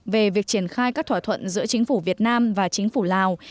về việc triển khai các thỏa thuận giữa chính phủ việt nam và chính phủ lào